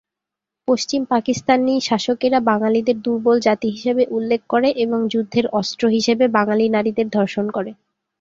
পশ্চিম পাকিস্তানি শাসকেরা বাঙালিদের দূর্বল জাতি হিসেবে উল্লেখ করে এবং যুদ্ধের অস্ত্র হিসেবে বাঙালি নারীদের ধর্ষণ করে।